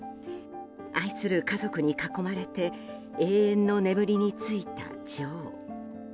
愛する家族に囲まれて永遠の眠りについた女王。